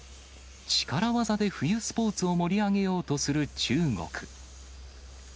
力技で冬スポーツを盛り上げようとする中国。